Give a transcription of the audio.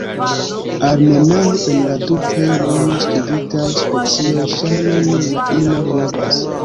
Almenaŭ en la du plej bone studitaj specioj, ŝajne nur la ino kovas.